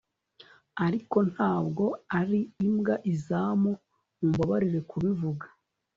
Ariko ntabwo ari imbwa izamu mumbabarire kubivuga